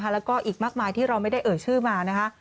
แล้วก็อีกมากมายที่เราไม่ได้เอ่ยชื่อมานะคะ